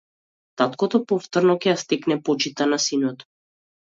Таткото повторно ќе ја стекне почитта на синот.